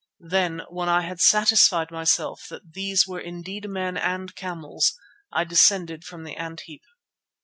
Then when I had satisfied myself that these were indeed men and camels I descended from the ant heap.